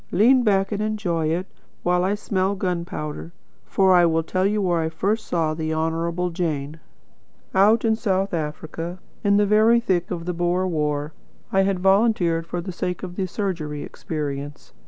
Lean back and enjoy it, while I smell gun powder. For I will tell you where I first saw the Honourable Jane. Out in South Africa, in the very thick of the Boer war. I had volunteered for the sake of the surgery experience.